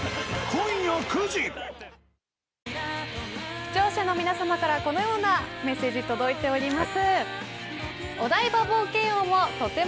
視聴者の皆さまからこのようなメッセージ届いております。